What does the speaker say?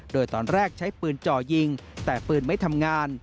โดยตอนแรกใช้ปืนจ่อยิงแต่ปืนไม่ทำงาน